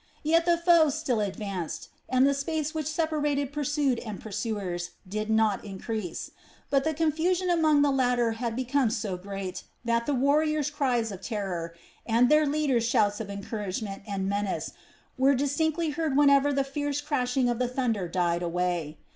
Yet the foe still advanced, and the space which separated pursued and pursuers did not increase. But the confusion among the latter had become so great that the warriors' cries of terror and their leaders' shouts of encouragement and menace were distinctly heard whenever the fierce crashing of the thunder died away.